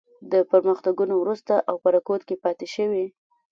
له پرمختګونو وروسته او په رکود کې پاتې شوې.